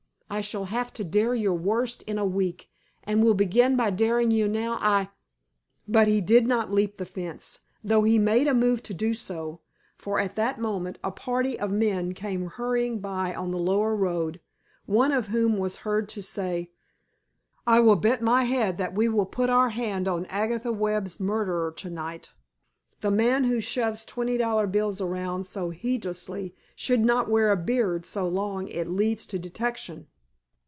I shall have to dare your worst in a week and will begin by daring you now. I " But he did not leap the fence, though he made a move to do so, for at that moment a party of men came hurrying by on the lower road, one of whom was heard to say: "I will bet my head that we will put our hand on Agatha Webb's murderer to night. The man who shoves twenty dollar bills around so heedlessly should not wear a beard so long it leads to detection."